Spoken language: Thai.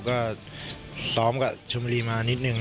ก็ซ้อมกับชมบุรีมานิดนึง